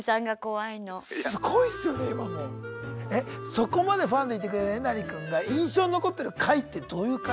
そこまでファンでいてくれるえなり君が印象に残ってる回ってどういう回？